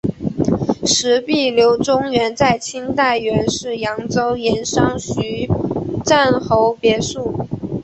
石壁流淙园在清代原是扬州盐商徐赞侯别墅。